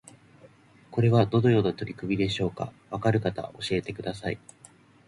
これはどのような取り組みでしょうか？わかる方教えてください